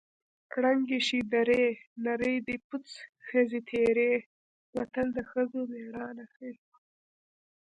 ړنګې شې درې نر دې پڅ ښځې تېرې متل د ښځو مېړانه ښيي